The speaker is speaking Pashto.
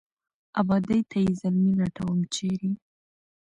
آبادۍ ته یې زلمي لټوم ، چېرې ؟